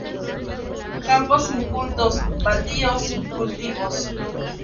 Campos incultos, baldíos, cultivos.